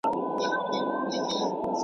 موږ په اصل او نسب سره خپلوان یو.